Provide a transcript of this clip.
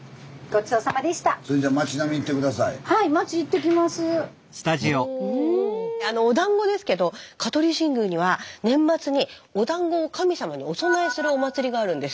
それじゃあのおだんごですけど香取神宮には年末におだんごを神様にお供えするお祭りがあるんです。